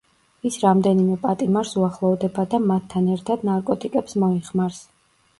ის რამდენიმე პატიმარს უახლოვდება და მათთან ერთად ნარკოტიკებს მოიხმარს.